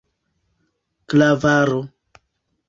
klavaro